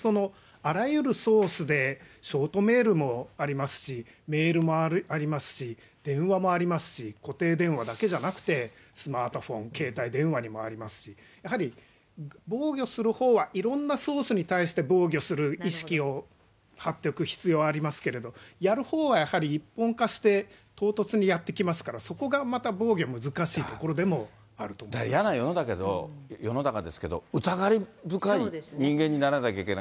あらゆるソースで、ショートメールもありますし、メールもありますし、電話もありますし、固定電話だけじゃなくて、スマートフォン、携帯電話にもありますし、やはり防御するほうはいろんなソースに対して防御する意識を張っておく必要ありますけれども、やるほうはやはり一本化して、唐突にやって来ますから、そこがまた防御が難しいところでもあると思嫌な世の中ですけど、疑い深い人間にならなきゃいけない。